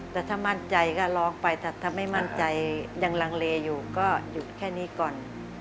แต่ถ้ามั่นใจก็ร้องไปถ้าไม่มั่นใจยังลังเลอยู่ก็หยุดแค่นี้ก่อน